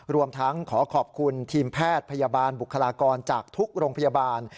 รวมทั้งขอขอบคุณทีมแพทย์พยาบาลบุคลากรจากทุกโรงพยาบาล